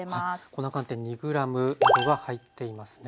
粉寒天２ｇなどが入っていますね。